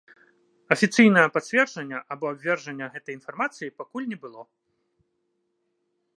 Афіцыйнага пацверджання або абвяржэння гэтай інфармацыі пакуль не было.